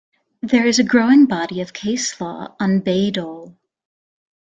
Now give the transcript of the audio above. There is a growing body of case law on Bayh-Dole.